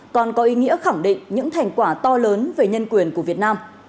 còn có ý nghĩa khẳng định những thành quả to lớn về nhân quyền của việt nam